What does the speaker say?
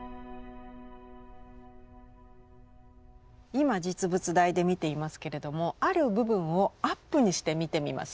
今実物大で見ていますけれどもある部分をアップにして見てみますね。